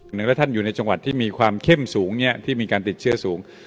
หรือว่าท่านอยู่ในจังหวัดที่มีความเข้มสูงที่มีการติดเชื้อสูง